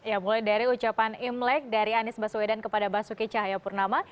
ya mulai dari ucapan imlek dari anies baswedan kepada basuki cahayapurnama